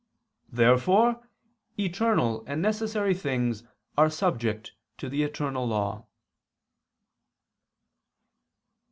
Therefore eternal and necessary things are subject to the eternal law.